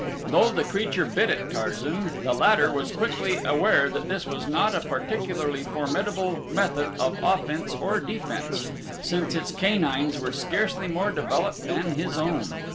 Though the creature bit at Tarzan the latter was quickly aware that this was not a particularly formidable method of offense or defense, since its canines were scarcely more developed than his own.